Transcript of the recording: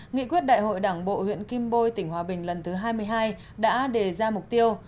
nghị quyết đại hội đảng bộ huyện kim bôi tỉnh hòa bình lần thứ hai mươi hai đã đề ra mục tiêu